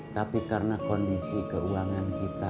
tapi karena kondisi keuangan kita